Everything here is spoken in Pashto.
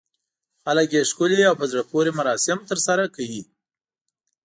خلک یې ښکلي او په زړه پورې مراسم ترسره کوي.